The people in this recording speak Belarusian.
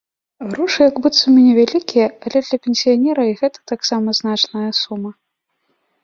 Грошы як быццам і невялікія, але для пенсіянера і гэта таксама значная сума.